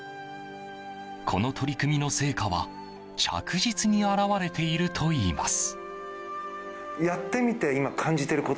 この取り組みの成果は着実に表れているといいます。